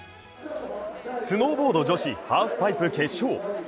スノーボード女子ハーフパイプ決勝